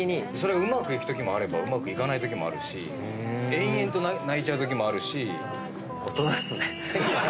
うまくいくときもあればうまくいかないときもあるし延々と泣いちゃうときもあるし。